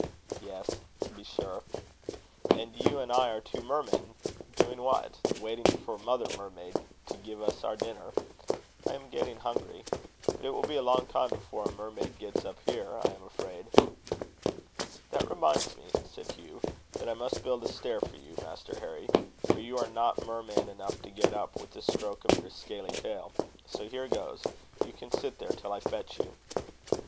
"Yes, to be sure." "And you and I are two mermen doing what? Waiting for mother mermaid to give us our dinner. I am getting hungry. But it will be a long time before a mermaid gets up here, I am afraid." "That reminds me," said Hugh, "that I must build a stair for you, Master Harry; for you are not merman enough to get up with a stroke of your scaly tail. So here goes. You can sit there till I fetch you."